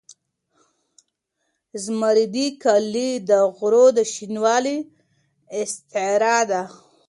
زمردي کالي د غرو د شینوالي استعاره ده.